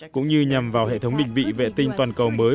cũng như nhằm vào hệ thống định vị vệ tinh toàn cầu mới